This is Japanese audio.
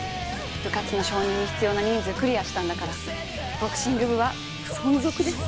部活の承認に必要な人数クリアしたんだからボクシング部は存続です！